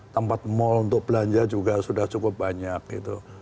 tempat mal untuk belanja juga sudah cukup banyak gitu